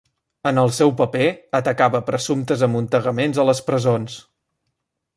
En el seu paper, atacava presumptes amuntegaments a les presons.